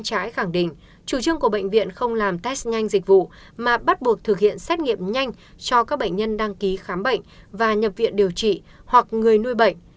các bạn bắt buộc thực hiện xét nghiệm nhanh cho các bệnh nhân đăng ký khám bệnh và nhập viện điều trị hoặc người nuôi bệnh